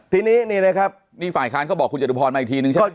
ทีนี้นี่นะครับนี่ฝ่ายค้านเขาบอกคุณจตุพรมาอีกทีนึงใช่ไหม